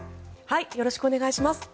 よろしくお願いします。